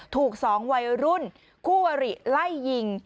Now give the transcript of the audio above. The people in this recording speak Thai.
ถูก๒วัยรุ่นคู่วริไล่ยิง